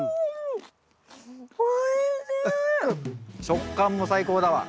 食感も最高だわ。